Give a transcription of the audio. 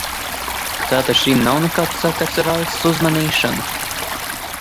Tātad šim nav nekāds sakars ar Raisas uzmanīšanu?